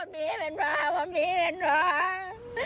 มีบอกเลยมีบอก